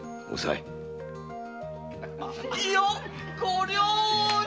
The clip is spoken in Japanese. いよご両人！